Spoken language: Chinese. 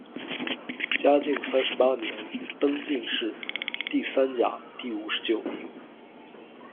嘉靖三十八年，登进士第三甲第五十九名。